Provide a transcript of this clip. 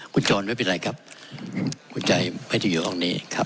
คุณจรไม่เป็นไรครับคุณใจไม่ได้อยู่ห้องนี้ครับ